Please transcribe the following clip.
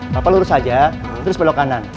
bapak lurus saja terus belok kanan